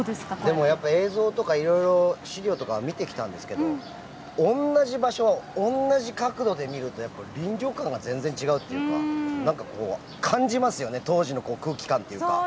でも、映像とか資料とかを見てきたんですが同じ場所、同じ角度で見ると臨場感が全然違うというか感じますね当時の空気感というか。